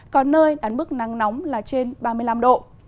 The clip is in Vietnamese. còn nơi đắn bức nắng nóng là trên ba mươi năm độ